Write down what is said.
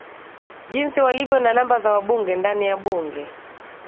jinsi walivyo na namba za wabunge ndani ya bunge